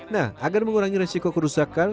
nah agar mengurangi resiko kerusakan